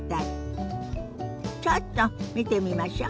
ちょっと見てみましょ。